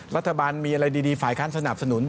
รัฐบาลมีอะไรดีฝ่ายค้านสนับสนุน